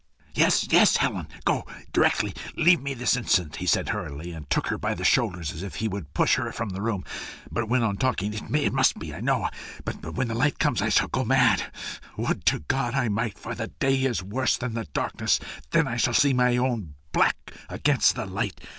"Yes, yes, Helen! Go, go directly. Leave me this instant," he said, hurriedly, and took her by the shoulders, as if he would push her from the room, but went on talking. "It must be, I know; but when the light comes I shall go mad. Would to God I might, for the day is worse than the darkness; then I see my own black against the light.